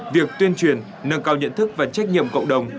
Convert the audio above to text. việc tuyên truyền nâng cao nhận thức và trách nhiệm cộng đồng